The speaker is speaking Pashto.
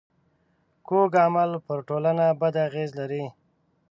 کوږ عمل پر ټولنه بد اغېز لري